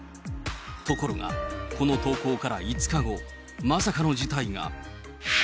ところが、この投稿から５日後、まさかの事態が。